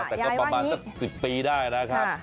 มาประมาณสัตว์สิบปีได้ค่ะ